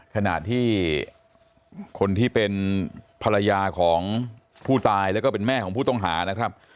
ขณะที่คนที่เป็นภรรยาของผู้ตายแล้วก็เป็นแม่ของผู้ต้องหานะครับ